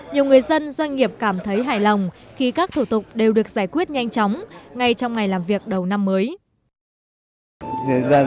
nhiều người dân doanh nghiệp cảm thấy hài lòng khi các thủ tục đều được giải quyết nhanh chóng ngay trong ngày làm việc đầu năm mới